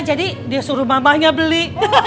jadi dia suruh mamahnya beli